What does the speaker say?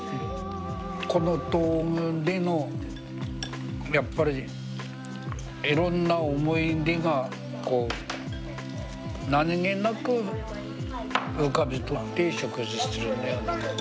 この道具でのやっぱりいろんな思い出がこう何気なく浮かべとって食事してるのよね。